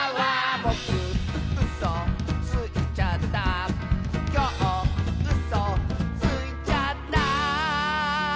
「ぼくうそついちゃった」「きょううそついちゃった」